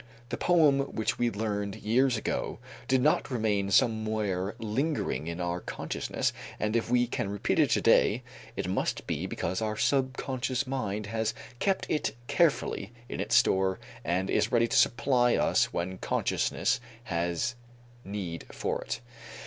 The poem which we learned years ago did not remain somewhere lingering in our consciousness, and if we can repeat it today, it must be because our subconscious mind has kept it carefully in its store and is ready to supply us when consciousness has need for it.